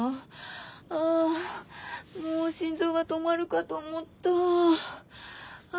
あもう心臓が止まるかと思った。